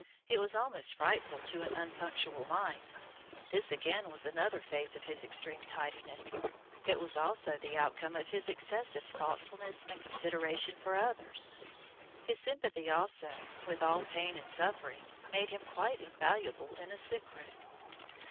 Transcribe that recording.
It was almost frightful to an unpunctual mind! This again was another phase of his extreme tidiness; it was also the outcome of his excessive thoughtfulness and consideration for others. His sympathy, also, with all pain and suffering made him quite invaluable in a sick room.